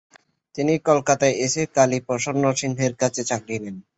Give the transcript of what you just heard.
তিনি কলকাতায় এসে কালীপ্রসন্ন সিংহের কাছে চাকরি নেন।